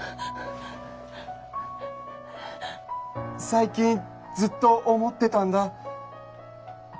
最近ずっと思ってたんだ。